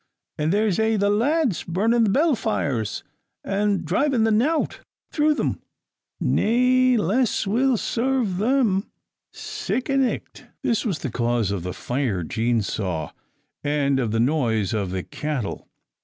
And there's a' the lads burning the Bel fires, and driving the nowt* through them: nae less will serve them. Sic a nicht!" * Nowt, cattle. This was the cause of the fire Jean saw, and of the noise of the cattle.